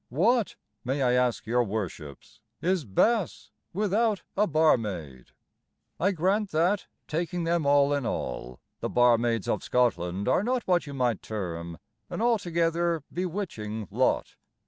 What, may I ask your Worships, Is Bass without a barmaid? I grant that, taking them all in all, The barmaids of Scotland Are not what you might term An altogether bewitching lot.